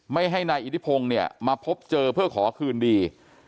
ไม่ให้นายอิทธิพงศ์เนี่ยมาพบเจอเพื่อขอคืนดี